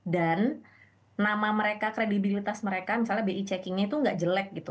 dan nama mereka kredibilitas mereka misalnya bi checkingnya itu tidak jelek